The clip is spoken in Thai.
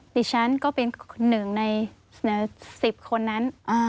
ดิฉันก็เป็นหนึ่งใน๑๐คนนั้น